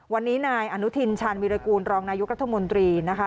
วันนี้นายอนุทินชาญวิรากูลรองนายกรัฐมนตรีนะคะ